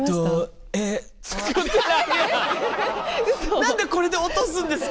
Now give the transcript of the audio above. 何でこれで落とすんですか！